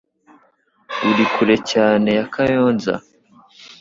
Ari kure cyane ya Kayonza?